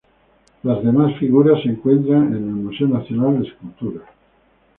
Las demás figuras se encuentran en el Museo Nacional de Escultura.